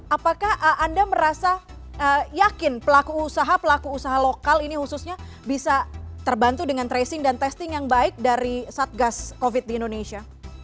apakah anda merasa yakin pelaku usaha pelaku usaha lokal ini khususnya bisa terbantu dengan tracing dan testing yang baik dari satgas covid di indonesia